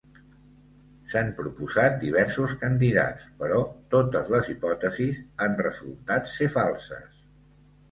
S'han proposat diversos candidats, però totes les hipòtesis han resultat ser falses.